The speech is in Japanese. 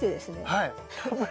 はい。